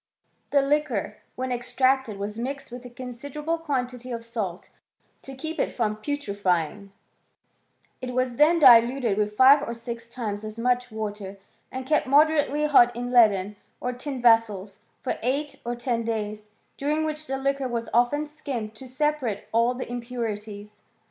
The liquor, when extracted, was mixed with a considerable quantity of salt to keep it from putrifying ; it was then diluted with five or six times as much water, and kept moderately hot in leaden or tin vessels, for eight or ten days, during which the liquor was often skimmed to separate all the impurities.